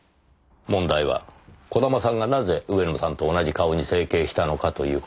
問題は児玉さんがなぜ上野さんと同じ顔に整形したのかという事ですねぇ。